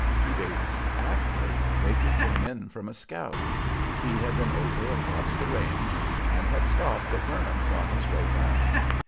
Two days after, Baker came in from a scout. He had been over across the range and had stopped at Burnham's on his way down.